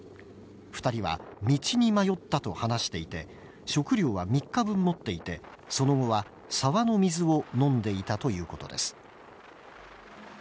２人は道に迷ったと話していて、食料は３日分持っていて、その後は沢の水を飲んでいたということです。